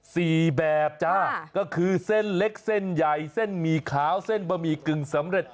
แบบจ้าก็คือเส้นเล็กเส้นใหญ่เส้นหมี่ขาวเส้นบะหมี่กึ่งสำเร็จ